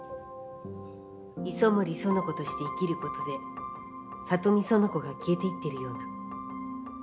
磯森苑子として生きることで里見苑子が消えていっているような。